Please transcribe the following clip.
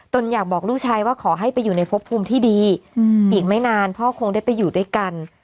อยากบอกลูกชายว่าขอให้ไปอยู่ในพบภูมิที่ดีอีกไม่นานพ่อคงได้ไปอยู่ด้วยกัน